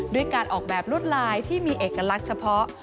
ด้วยการออกแบบลวดลายที่มีเอกลักษณ์เฉพาะ